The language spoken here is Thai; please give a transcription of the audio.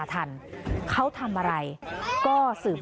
คุณผู้ชมคุณผู้ชม